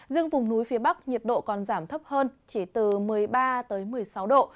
riêng vùng núi phía bắc nhiệt độ còn giảm thấp hơn chỉ từ một mươi ba một mươi sáu độ